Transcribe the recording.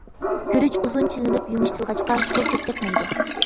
گۈرۈچ ئۇزۇن چىلىنىپ يۇمشىتىلغاچقا، سۇ كۆپ كەتمەيدۇ.